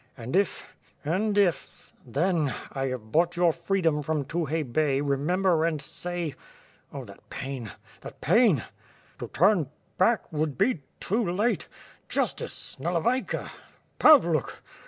... and if .. and if .. then .. I have bought your freedom from Tukhay Bey remember and say ... Oh that pain ... that pain! To turn ba^ck .. would be too late ... justice .. Nalevayka ... Pavluk